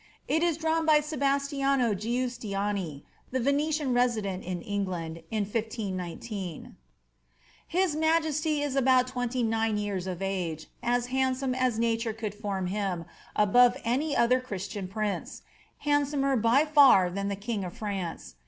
It is drawn by Sebastiano Giustiniani, the Venetian resident in England in 1519:— ^ His majesty is about twenty nine years of age, as handsome as nature could form him, above any other Christian prince ; handsomer by (u than the king of France.